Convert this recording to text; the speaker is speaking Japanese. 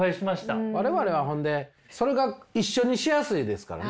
我々はほんでそれが一緒にしやすいですからね。